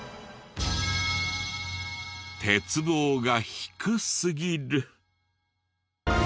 鉄棒が低すぎる。